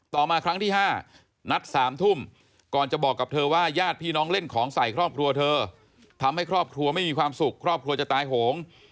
มาครั้งที่๕นัด๓ทุ่มก่อนจะบอกกับเธอว่าญาติพี่น้องเล่นของใส่ครอบครัวเธอทำให้ครอบครัวไม่มีความสุขครอบครัวจะตายโหง